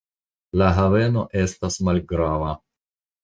La haveno estas malgrava.